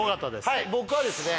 はい僕はですね